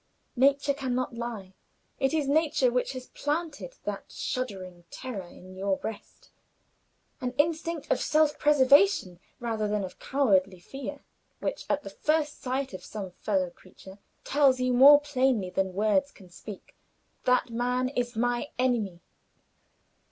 Nature can not lie; and it is nature which has planted that shuddering terror in your breast; an instinct of self preservation rather than of cowardly fear, which, at the first sight of some fellow creature, tells you more plainly than words can speak, "That man is my enemy!"